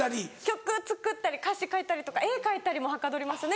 曲作ったり歌詞書いたりとか絵描いたりもはかどりますね